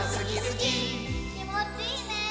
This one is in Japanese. きもちいいね！